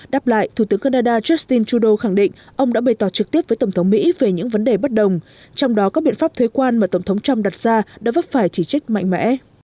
đáp lại thủ tướng canada justin trudeau khẳng định ông đã bày tỏ trực tiếp với tổng thống mỹ về những vấn đề bất đồng trong đó các biện pháp thuế quan mà tổng thống trump đặt ra đã vấp phải chỉ trích mạnh mẽ